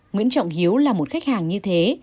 nguyễn trọng hiếu là một khách hàng như thế